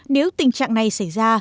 nếu tình trạng này xảy ra